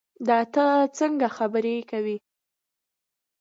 دا تۀ څنګه خبرې کوې